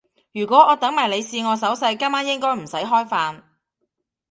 如果我等埋你試我手勢，今晚應該唔使開飯